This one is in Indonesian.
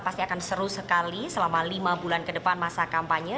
pasti akan seru sekali selama lima bulan ke depan masa kampanye